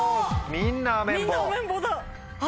みんなアメンボだ。